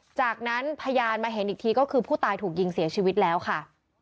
จากนั้นพยานมาเห็นอีกทีก็คือผู้ตายถูกยิงเสียชีวิตแล้วค่ะ